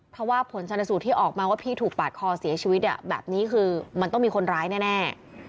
เพราะว่าผลชนสูตรที่ออกมาว่าพี่ถูกปาดคอเสียชีวิตแบบนี้คือมันต้องมีคนร้ายแน่